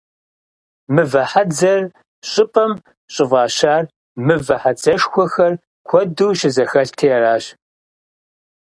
«Мывэ хьэдзэр» щӀыпӀэм щӀыфӀащар мывэ хьэдзэшхуэхэр куэду щызэхэлъти аращ.